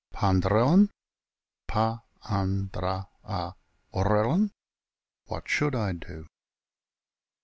pandrellen = pa an dra a wrtllen, " what should I do?"